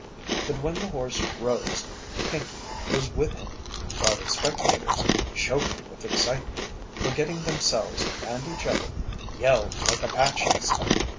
But when the horse rose Pinkey was with him, while the spectators, choking with excitement, forgetting themselves and each other, yelled like Apaches.